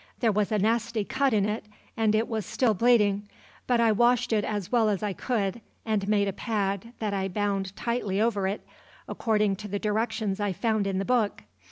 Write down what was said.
There was a nasty cut in it, and it was still bleedin', but I washed it as well as I could, and made a pad that I bound tightly over it, accordin' to the directions I found in the book.